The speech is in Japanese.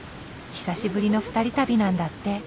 久しぶりの２人旅なんだって。